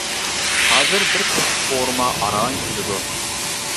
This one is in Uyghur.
ھازىر بىر تەخسە قورۇما ئاران كېلىدۇ.